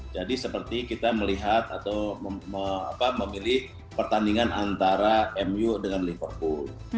jadi seperti kita melihat atau memilih pertandingan antara mu dengan liverpool